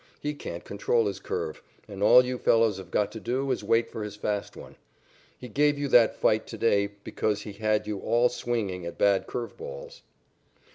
He can't control his curve, and all you fellows have got to do is wait for his fast one. He gave you that fight to day because he had you all swinging at bad curve balls."